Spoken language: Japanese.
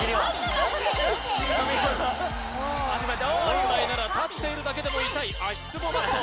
本来なら立っているだけでも痛い足つぼマット